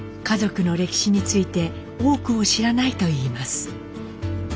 家族の歴史について多くを知らないといいます。